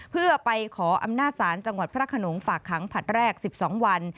เพื่อไปขออำนาจศาลจังหวัดพระขนงฝากขังผลัดแรก๑๒วัน